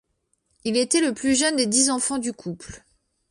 Il était le plus jeune des dix enfants du couple.